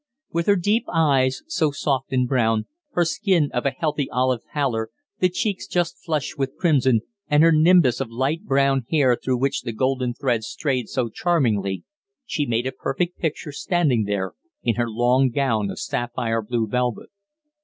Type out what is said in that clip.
With her deep eyes, so soft and brown, her skin of a healthy olive pallor, the cheeks just flushed with crimson, and her nimbus of light brown hair through which the golden threads strayed so charmingly, she made a perfect picture standing there in her long gown of sapphire blue velvet.